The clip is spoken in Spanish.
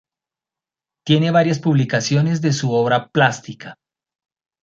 Tiene varias publicaciones de su obra plástica.